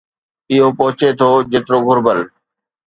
اهو پهچي ٿو جيترو گهربل